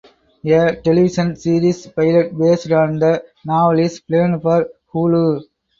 A television series pilot based on the novel is planned for Hulu.